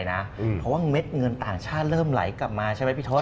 เพราะว่าเม็ดเงินต่างชาติเริ่มไหลกลับมาใช่ไหมพี่ทศ